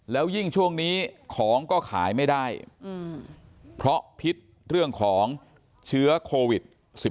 แล้วยิ่งช่วงนี้ของก็ขายไม่ได้เพราะพิษเรื่องของเชื้อโควิด๑๙